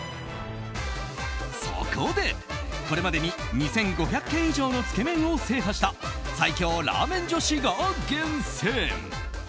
そこで、これまでに２５００軒以上のつけ麺を制覇した最強ラーメン女子が厳選！